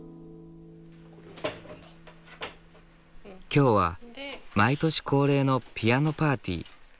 今日は毎年恒例のピアノパーティー。